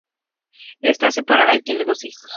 Está separada y tiene dos hijos.